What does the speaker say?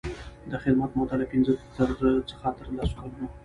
د خدمت موده له پنځه څخه تر لس کلونو.